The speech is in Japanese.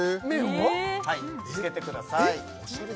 はいつけてください